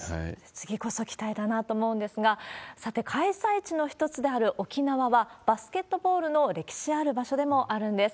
次こそ期待だなと思うんですが、さて、開催地の一つである沖縄は、バスケットボールの歴史ある場所でもあるんです。